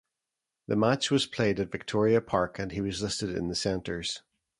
The match was played at Victoria Park and he was listed in the centres.